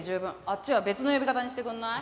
あっちは別の呼び方にしてくんない？